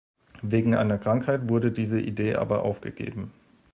Wegen einer Krankheit wurde diese Idee aber aufgegeben.